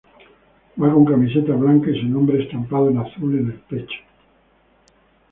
Va con camiseta blanca y su nombre estampado en azul en el pecho.